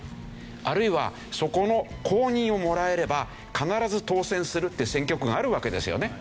あるいはそこの公認をもらえれば必ず当選するって選挙区があるわけですよね。